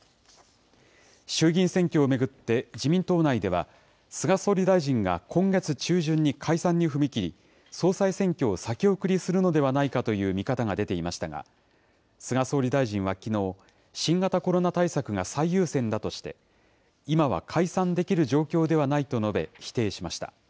衆議院選挙を巡って、自民党内では、菅総理大臣が今月中旬に解散に踏み切り、総裁選挙を先送りするのではないかという見方が出ていましたが、菅総理大臣はきのう、新型コロナ対策が最優先だとして、今は解散できる状況ではないと述べ、否定しました。